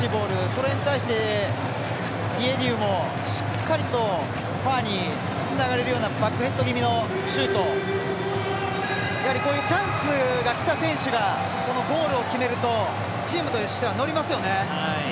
それに対してディエディウもしっかりとファーに流れるようなバックヘッド気味のシュートこういうチャンスがきた選手がこのゴールを決めるとチームとしては乗りますよね。